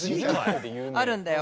あるんだよ